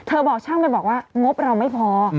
บอกช่างไปบอกว่างบเราไม่พอ